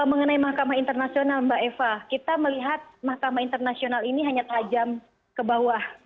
mengenai mahkamah internasional mbak eva kita melihat mahkamah internasional ini hanya tajam ke bawah